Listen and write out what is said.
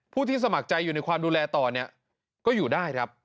ผู้ที่สมัครใจอยู่ในความดูแลต่อก็อยู่ได้